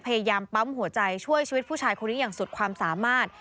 พยายามปั๊มหัวใจช่วยชีวิตผู้ชายคนนี้อย่างสุดความสามารถ